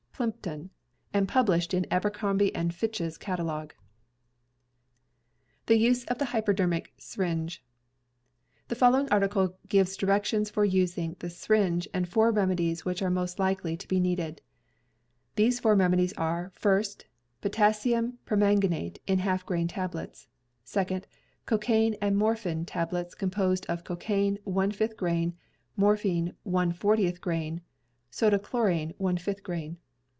Plympton, and published in Aber crombie & Fitch's catalogue: THE USE OF THE HYPODERMIC SYRINGE The following article gives directions for using the syringe and four remedies which are most likely to be needed. These four remedies are: First — Potassium permanganate in half grain tablets. Second — Cocain and morphin tablets composed of cocain, one fifth grain; morphin, one fortieth grain; soda chlor., one fifth grain.